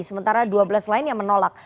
karena dua belas lain yang menolak